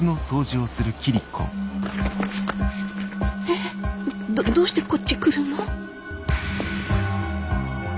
えっどどうしてこっち来るの？